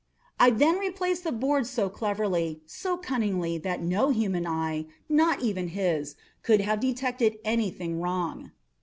I then replaced the boards so cleverly, so cunningly, that no human eye—not even his—could have detected any thing wrong.